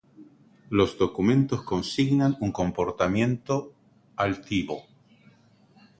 Los documentos consignan su comportamiento altivo.